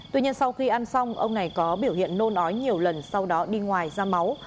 tuy nhiên sau khi ăn xong ông này có biểu hiện nôn ói nhiều lần sau đó đi ngoài ra máu